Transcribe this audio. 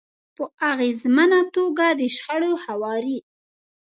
-په اغیزمنه توګه د شخړو هواری